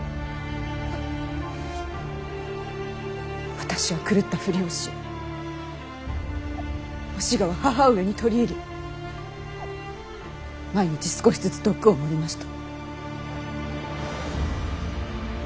私は狂ったふりをしお志賀は義母上に取り入り毎日少しずつ毒を盛りました。